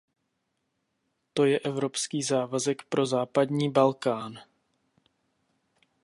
To je evropský závazek pro západní Balkán.